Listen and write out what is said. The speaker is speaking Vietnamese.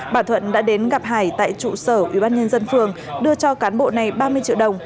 bà thuận đã đến gặp hải tại trụ sở ubnd phường đưa cho cán bộ này ba mươi triệu đồng